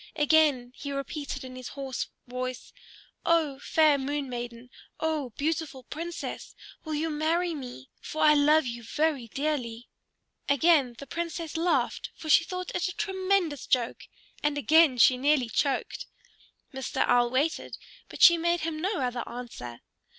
Again he repeated in his hoarse voice, "O fair Moon Maiden, O beautiful Princess, will you marry me? For I love you very dearly." Again the Princess laughed, for she thought it a tremendous joke; and again she nearly choked. Mr. Owl waited, but she made him no other answer.